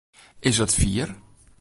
Is it fier?